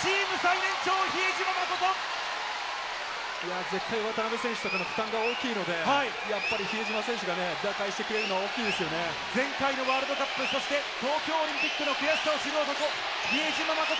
チーム最年長、いやー、絶対、渡邊選手とかの負担が大きいので、やっぱり比江島選手がね、打開してくれるの前回のワールドカップ、そして、東京オリンピックの悔しさを知る男、比江島慎。